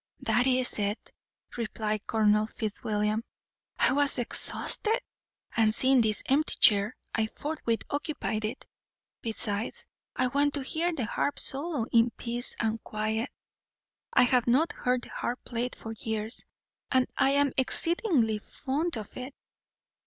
"That is it," replied Colonel Fitzwilliam. "I was exhausted, and seeing this empty chair, I forthwith occupied it. Besides, I want to hear the harp solo in peace and quiet. I have not heard the harp played for years, and I am exceedingly fond of it."